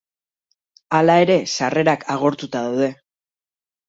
Hala ere, sarrerak agortuta daude.